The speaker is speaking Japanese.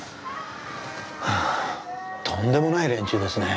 はぁとんでもない連中ですね。